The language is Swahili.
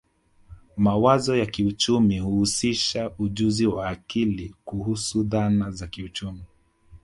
Mawazo ya kiuchumi huhusisha ujuzi wa akili kuhusu dhana za kiuchumi